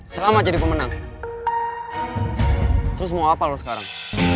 selamat jadi pemenang terus mau apa lo sekarang